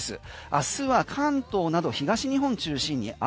あすは関東など東日本中心に雨。